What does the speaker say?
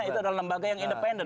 itu adalah lembaga yang independen